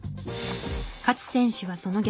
勝選手はその逆。